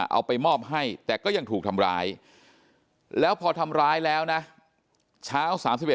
เอาไปมอบให้แต่ก็ยังถูกทำร้ายแล้วพอทำร้ายแล้วนะเช้า๓๑